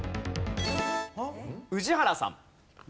宇治原さん。